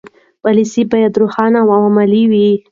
پالیسي باید روښانه او عملي وي.